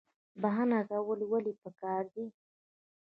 بخښنه کول ولې پکار دي؟